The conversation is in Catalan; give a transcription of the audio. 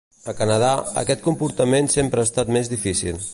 A Canadà, aquest comportament sempre ha estat més difícil.